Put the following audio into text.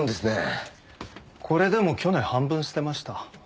これでも去年半分捨てました。